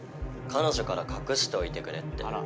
彼女から隠しておいてくれって。